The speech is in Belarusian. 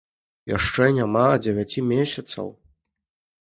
Яшчэ няма дзевяці месяцаў.